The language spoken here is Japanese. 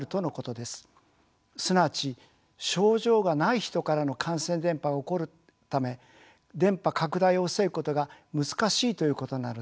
すなわち症状がない人からの感染・伝播が起こるため伝播拡大を防ぐことが難しいということなのです。